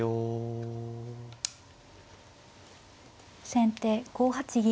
先手５八銀。